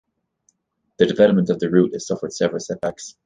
The development of the route has suffered several setbacks.